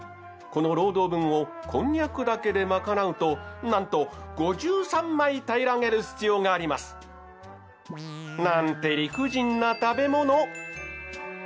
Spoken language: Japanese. この労働分をこんにゃくだけで賄うとなんと５３枚平らげる必要があります！なんて理不尽な食べもの！